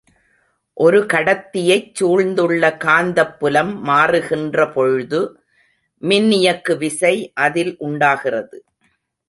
ஒரு கடத்தியைச் சூழ்ந்துள்ள காந்தப்புலம் மாறுகின்ற பொழுது, மின்னியக்கு விசை அதில் உண்டாகிறது.